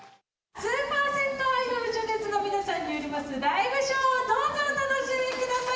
スーパー銭湯アイドル、純烈の皆さんによりますライブショーをどうぞお楽しみください。